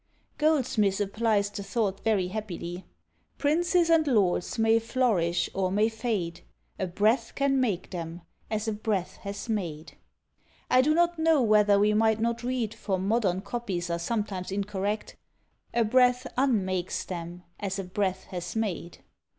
_ Goldsmith applies the thought very happily Princes and lords may flourish or may fade; A breath can make them, as a breath has made. I do not know whether we might not read, for modern copies are sometimes incorrect, A breath unmakes them, as a breath has made.